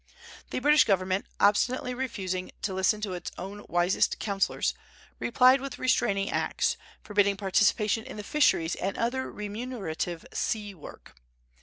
The British Government, obstinately refusing to listen to its own wisest counsellors, replied with restraining acts, forbidding participation in the fisheries and other remunerative sea work.